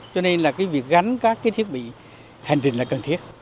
cho nên là cái việc gắn các cái thiết bị hành trình là cần thiết